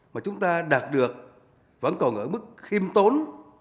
mà chúng ta đạt được vẫn còn ở mức khiêm tốn